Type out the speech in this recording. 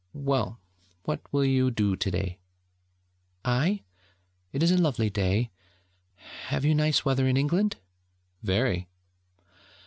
'Well, what will you do to day?' 'I? It is a lovely day ... have you nice weather in England?' 'Very.'